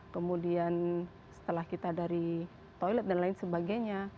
kemudian setelah kita dari toilet dan lain sebagainya